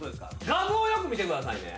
画像をよく見てくださいね。